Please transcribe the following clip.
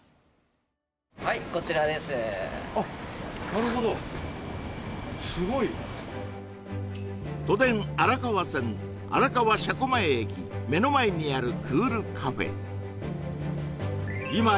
なるほどすごい都電荒川線荒川車庫前駅目の前にあるクールカフェ